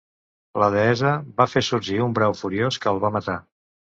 La deessa va fer sorgir un brau furiós que el va matar.